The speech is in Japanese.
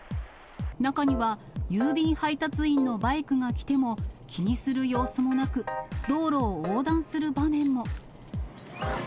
中には、郵便配達員のバイクが来ても、気にする様子もなく、道路を横断する場面も。